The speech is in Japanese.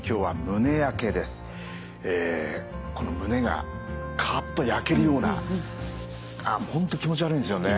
この胸がカッと焼けるような本当気持ち悪いんですよね。